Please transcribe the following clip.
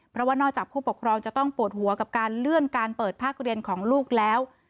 เพราะว่านอกจากผู้ปกครองจะต้องปวดหัวกับการเลื่อนการเปิดภาคเรียนของลูกแล้ว